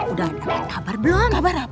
udah dapet kabar belum